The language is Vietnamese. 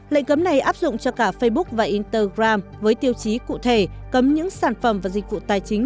lệnh cấm này áp dụng cho cả facebook và inster gram với tiêu chí cụ thể cấm những sản phẩm và dịch vụ tài chính